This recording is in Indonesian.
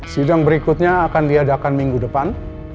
sidang berikutnya akan diadakan minggu depan